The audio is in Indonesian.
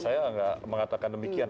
saya nggak mengatakan demikian